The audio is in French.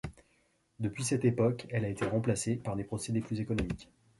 Depuis cette époque elle a été remplacée par des procédés plus économiques.